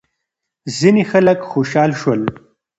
ځینې خلک خوشحال شول.